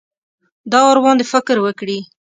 دا ورباندې فکر وکړي.